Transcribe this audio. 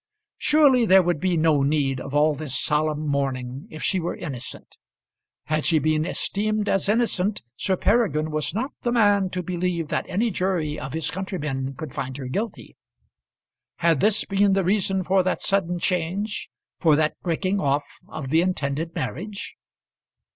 Surely there would be no need of all this solemn mourning if she were innocent. Had she been esteemed as innocent, Sir Peregrine was not the man to believe that any jury of his countrymen could find her guilty. Had this been the reason for that sudden change, for that breaking off of the intended marriage?